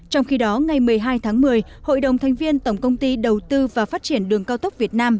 trong khi đó ngày một mươi hai tháng một mươi hội đồng thành viên tổng công ty đầu tư và phát triển đường cao tốc việt nam